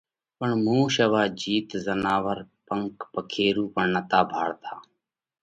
پڻ مُون شيوا جيت زناور پنک پکيرُو پڻ نتا ڀاۯتا۔